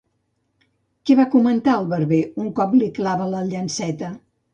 Què va comentar el barber un cop li clava la llanceta?